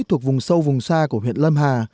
thuộc vùng sâu vùng xa của huyện lâm hà